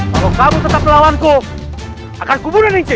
kalau kamu tetap melawanku akan kubunuh ning chi